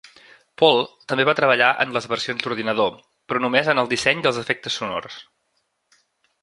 Paul també va treballar en les versions d'ordinador però només en el disseny dels efectes sonors.